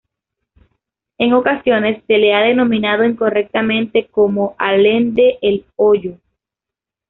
En ocasiones se la ha denominado incorrectamente como Allende el Hoyo.